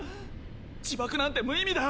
自爆なんて無意味だ。